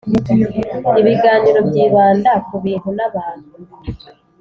Ibiganiro byibanda ku bintu n abantu